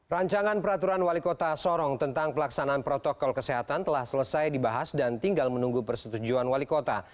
rancangan peraturan wali kota sorong tentang pelaksanaan protokol kesehatan telah selesai dibahas dan tinggal menunggu persetujuan wali kota